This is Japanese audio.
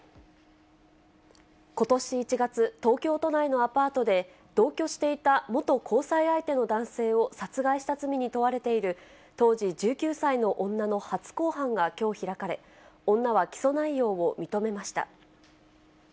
ことし１月、東京都内のアパートで、同居していた元交際相手の男性を殺害した罪に問われている、当時１９歳の女の初公判がきょう開かれ、女は起訴内容を認めました。